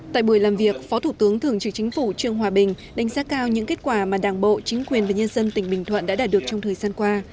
tại buổi làm việc phó thủ tướng thường trực chính phủ trương hòa bình đánh giá cao những kết quả mà đảng bộ chính quyền và nhân dân tỉnh bình thuận đã đạt được trong thời gian qua